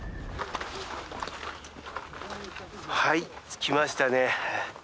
はい着きましたね。